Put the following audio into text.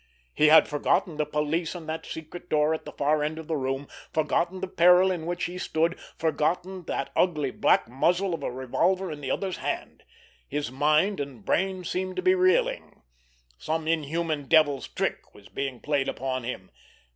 He had forgotten the police and that secret door at the far end of the room, forgotten the peril in which he stood, forgotten that ugly black muzzle of a revolver in the other's hand. His mind and brain seemed to be reeling. Some inhuman devil's trick was being played upon him.